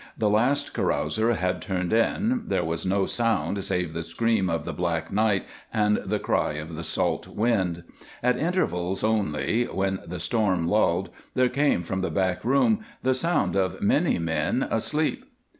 The last carouser had turned in. There was no sound save the scream of the black night and the cry of the salt wind. At intervals only, when the storm lulled, there came from the back room the sound of many men asleep.